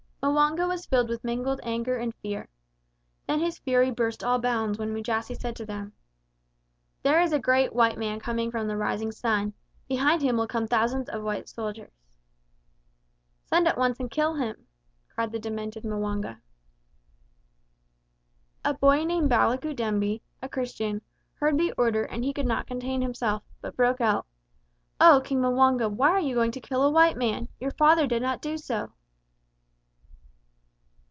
M'wanga was filled with mingled anger and fear. Then his fury burst all bounds when Mujasi said to him: "There is a great white man coming from the rising sun. Behind him will come thousands of white soldiers." "Send at once and kill him," cried the demented M'wanga. A boy named Balikudembe, a Christian, heard the order and he could not contain himself, but broke out, "Oh, King M'wanga, why are you going to kill a white man? Your father did not do so."